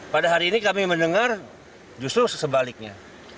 pada hari ini kami mendengar justru sesebaliknya